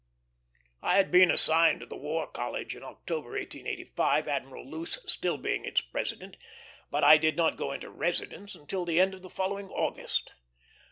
I had been assigned to the War College in October, 1885, Admiral Luce being still its president, but I did not go into residence until the end of the following August.